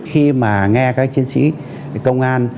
khi mà nghe các chiến sĩ công an